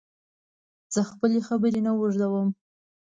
زه خپلي خبري نه اوږدوم